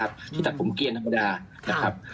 ถ้าจากผมเกลี้ยนธรรมดา